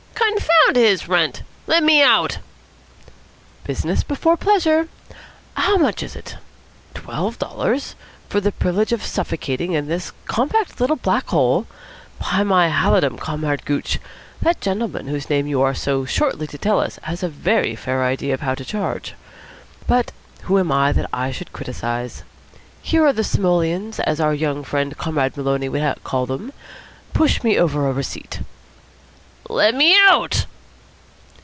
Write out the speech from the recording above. "Confound his rent. Let me out." "Business before pleasure. How much is it? Twelve dollars? For the privilege of suffocating in this compact little Black Hole? By my halidom, Comrade Gooch, that gentleman whose name you are so shortly to tell us has a very fair idea of how to charge! But who am I that I should criticise? Here are the simoleons, as our young friend, Comrade Maloney, would call them. Push me over a receipt." "Let me out."